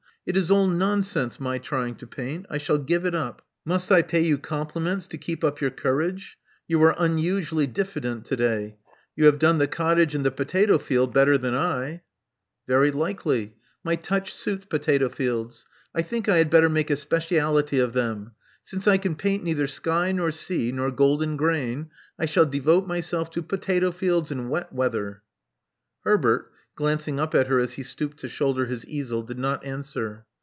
It is all nonsense my trying to paint. I shall give it up." '*Must I pay you compliments to keep up your courage? You are unusually diffident to day. You have done the cottage and the potato field better thanL" Love Among the Artists in Very likely. My touch suits potato fields. I think I had better make a specialty of them. Since I can paint neither sky nor sea nor golden gfrain, I shall devote myself to potato fields in wet weather." Herbert, glancing up at her as he stooped to shoulder his easel, did not answer.